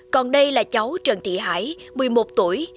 còn đây là cháu trần thị hải một mươi một tuổi